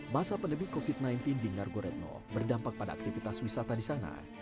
masa pandemi covid sembilan belas di ngargoretno berdampak pada aktivitas wisata di sana